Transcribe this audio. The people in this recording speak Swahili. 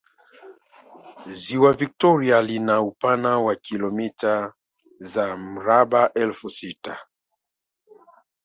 Ziwa Vitoria lina upana wa kilomita za mraba elfu sita